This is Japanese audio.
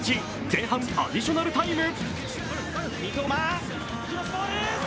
前半アディショナルタイム。